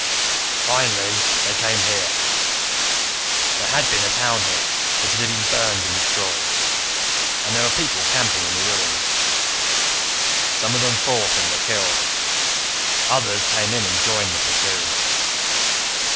"... finally, they came here. There had been a town here, but it had been burned and destroyed, and there were people camping in the ruins. "Some of them fought and were killed, others came in and joined the platoon.